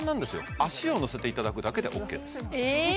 足を乗せていただくだけでＯＫですえ